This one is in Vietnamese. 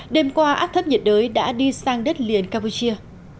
đêm qua áp thấp nhiệt đới đã đi sang đất liền campuchia